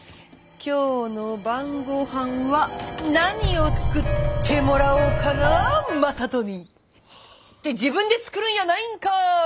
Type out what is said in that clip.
今日の晩ご飯は何を作ってもらおうかな正門に！って自分で作るんやないんかい！